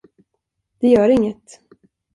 Det gör inget.